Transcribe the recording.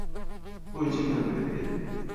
魏晉南北篇